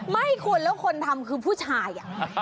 ไม่คุณแล้วคนทำคือผู้ชาย